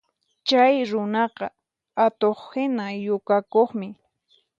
Chay runaqa atuqhina yukakuqmi